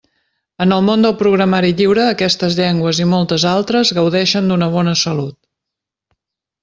En el món del programari lliure aquestes llengües, i moltes altres, gaudeixen d'una bona salut.